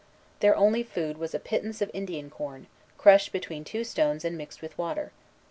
Their only food was a pittance of Indian corn, crushed between two stones and mixed with water.